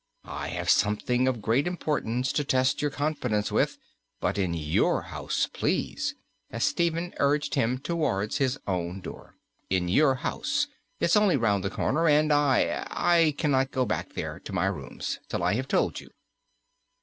I have something of great importance to test your confidence with. But in your house, please," as Stephen urged him towards his own door "in your house. It's only round the corner, and I I cannot go back there to my rooms till I have told you.